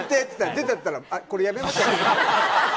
出ちゃったら、これ、やめましょうって。